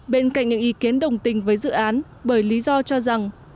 bên cạnh những ý kiến đồng tình với dự án bởi lý do cho rằng